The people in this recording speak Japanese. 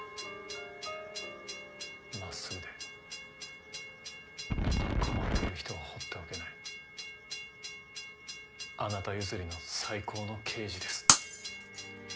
真っすぐで困っている人を放っておけないあなた譲りの最高の刑事です。